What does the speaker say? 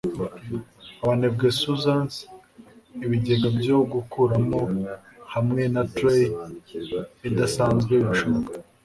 Abanebwe Susans ibigega byo gukuramo hamwe na tray idasanzwe birashobora